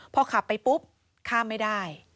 พอขับไปปุ๊บข้ามไม่ได้